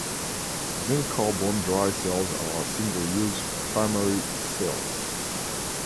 Zinc-carbon dry cells are single-use primary cells.